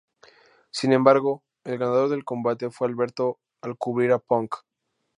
Sin embargo, el ganador del combate fue Alberto al cubrir a Punk.